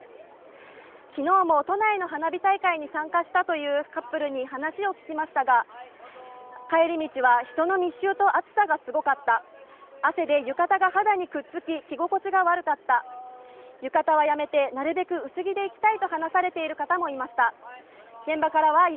昨日も都内の花火大会に参加したというカップルに話を聞きましたが帰り道は人の密集と暑さがすごかった汗で浴衣が肌にくっつき、着心地が悪かった、浴衣はやめてなるべく薄着で行きたいと話されている方もいました。